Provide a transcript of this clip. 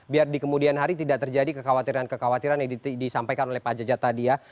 biar di kemudian hari tidak terjadi kekhawatiran kekhawatiran yang disampaikan oleh pak jejat tadi ya